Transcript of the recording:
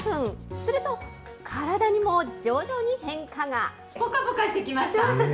すると、体にも徐々に変化が。